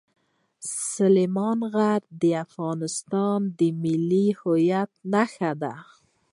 سلیمان غر د افغانستان د ملي هویت نښه ده.